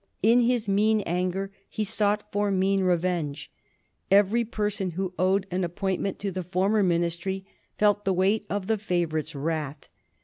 In his mean anger he sought for mean revenge. Every person who owed an appointment to the former ministry felt the weight of the favorite's wrath.